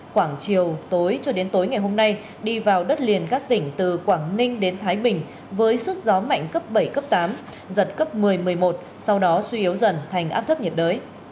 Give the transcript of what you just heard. khoảng chiều tối cho đến tối ngày hôm nay đi vào đất liền các tỉnh từ quảng ninh đến thái bình với sức gió mạnh cấp bảy cấp tám giật cấp một mươi một mươi một sau đó suy yếu dần thành áp thấp nhiệt đới